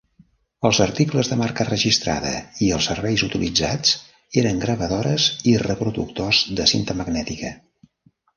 Els articles de marca registrada i els serveis utilitzats eren gravadores i reproductors de cinta magnètica.